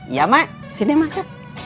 iya emak sini masuk